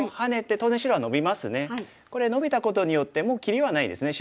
これノビたことによってもう切りはないですね。